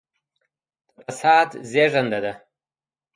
د فساد زېږنده ده.